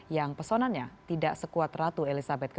yang pesonanya tidak sekuat ratu elizabeth ii